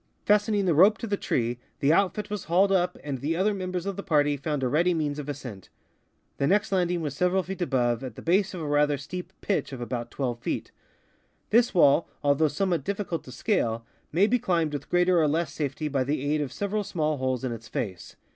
Fastening the rope to the tree, the outfit was hauled up, and the other members of the party found a ready means of ascent. The next landing was several feet above, at the base of a rather steep pitch of about twelve feet. This wall, although somewhat difiicult to scale, may be climbed with greater or less safety by the aid of several small holes in its face.